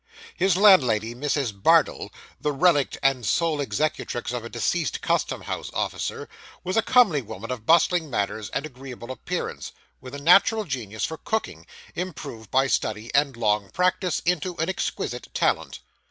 His landlady, Mrs. Bardell the relict and sole executrix of a deceased custom house officer was a comely woman of bustling manners and agreeable appearance, with a natural genius for cooking, improved by study and long practice, into an exquisite talent.